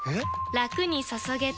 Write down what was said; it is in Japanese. ラクに注げてペコ！